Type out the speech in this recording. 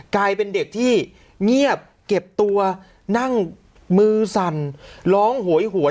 กลายเป็นเด็กที่เงียบเก็บตัวนั่งมือสั่นร้องโหยหวน